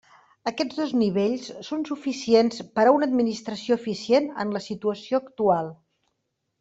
Aquests dos nivells són suficients per a una administració eficient en la situació actual.